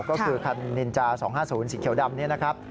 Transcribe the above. ก็คือคันนินจา๒๕๐สีเขียวดำนี้นะครับ